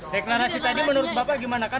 deklarasi tadi menurut bapak gimana kan